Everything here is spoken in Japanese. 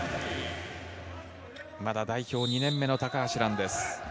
まだ代表２年目の高橋藍です。